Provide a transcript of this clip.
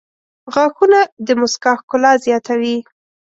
• غاښونه د مسکا ښکلا زیاتوي.